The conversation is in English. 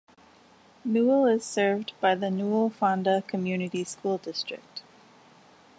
Newell is served by the Newell-Fonda Community School District.